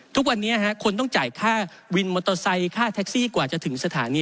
ทุกวันนี้คนต้องจ่ายค่าวินมอเตอร์ไซค์ค่าแท็กซี่กว่าจะถึงสถานี